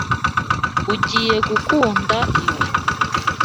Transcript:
Ugiye gukunda ibi.